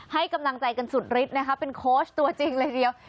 ให้กำลังใจกันสุดฤทธิ์นะคะเป็นโค้ชตัวจริงเลยทีเดียว